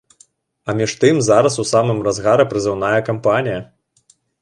А між тым зараз у самым разгары прызыўная кампанія.